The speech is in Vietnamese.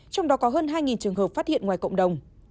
trong đó có hơn hai trường hợp phát hiện ngoài cộng đồng